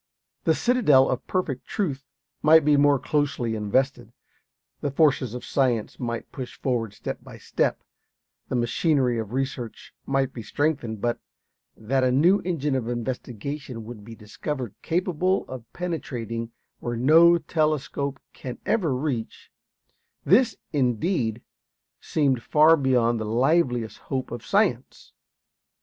The citadel of perfect truth might be more closely invested; the forces of science might push forward step by step; the machinery of research might be strengthened, but that a new engine of investigation would be discovered capable of penetrating where no telescope can ever reach, this, indeed, seemed far beyond the liveliest hope of science.